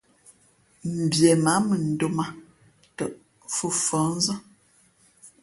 Mbie mǎ mʉndōm ā tαꞌ fhʉ̄ mfα̌hnzά.